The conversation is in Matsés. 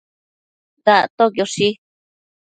Dactoquioshi